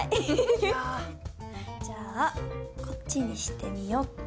じゃあこっちにしてみよっと。